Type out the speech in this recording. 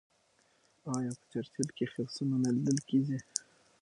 آیا په چرچیل کې خرسونه نه لیدل کیږي؟